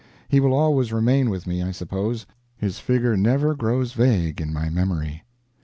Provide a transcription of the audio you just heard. He will always remain with me, I suppose; his figure never grows vague in my memory.